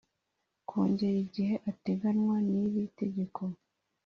kongera igihe ateganywa n iri tegeko